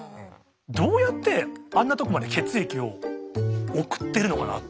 どうやってあんなとこまで血液を送ってるのかなって。